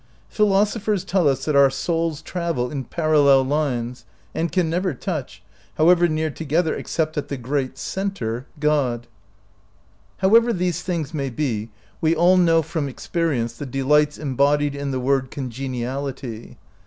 Philos ophers tell us that our souls travel in parallel lines and can never touch, however near together, except at the great center — God. 62 OUT OF BOHEMIA However these things may be, we all know from experience the delights embodied in the word "congeniality."